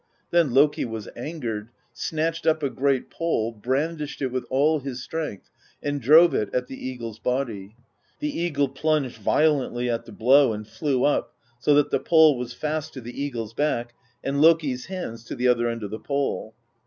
Then Loki was angered, snatched up a great pole, brandished it with all his strength, and drove it at the eagle's body. The eagle plunged vio lently at the blow and flew up, so that the pole was fast to the eagle's back, and Loki's hands to the other end of the pole.